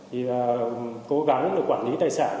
thì cố gắng để quản lý tài sản